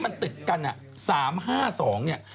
๓๕๒มันเป็นเลขมรณะ